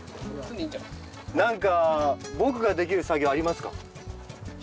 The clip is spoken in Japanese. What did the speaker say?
何か僕ができる作業ありますか？